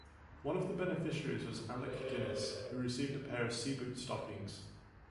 One of the beneficiaries was Alec Guinness, who received a pair of seaboot stockings.